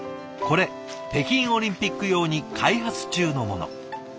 これ北京オリンピック用に開発中のもの。